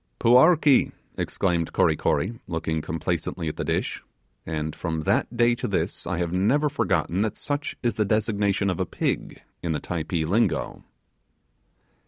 'Puarkee!' exclaimed Kory Kory, looking complacently at the dish; and from that day to this I have never forgotten that such is the designation of a pig in the Typee lingo.